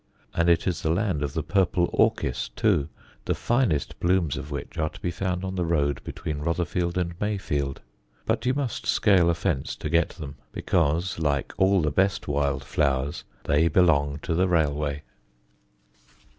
And it is the land of the purple orchis too, the finest blooms of which are to be found on the road between Rotherfield and Mayfield; but you must scale a fence to get them, because (like all the best wild flowers) they belong to the railway.